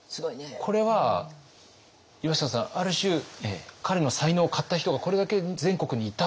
これは岩下さんある種彼の才能を買った人がこれだけ全国にいた？